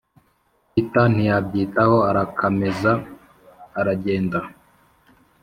peter ntiyabyitaho arakameza aragenda.